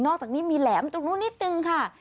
อกจากนี้มีแหลมตรงนู้นนิดนึงค่ะ